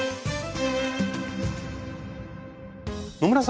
野村さん